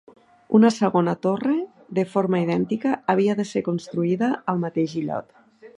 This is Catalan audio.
Una segona torre, de forma idèntica, havia de ser construïda al mateix illot.